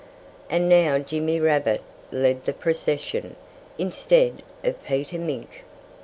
And now Jimmy Rabbit led the procession, instead of Peter Mink.